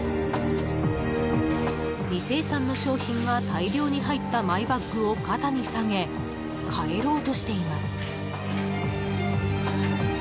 未精算の商品が大量に入ったマイバッグを肩に提げ帰ろうとしています。